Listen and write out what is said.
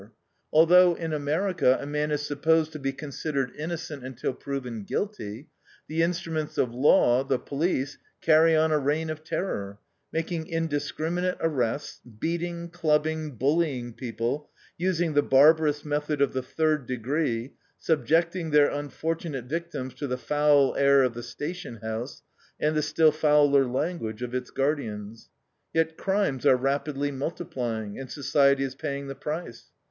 Although in America a man is supposed to be considered innocent until proven guilty, the instruments of law, the police, carry on a reign of terror, making indiscriminate arrests, beating, clubbing, bullying people, using the barbarous method of the "third degree," subjecting their unfortunate victims to the foul air of the station house, and the still fouler language of its guardians. Yet crimes are rapidly multiplying, and society is paying the price.